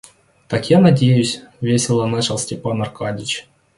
Так я надеюсь... — весело начал Степан Аркадьич.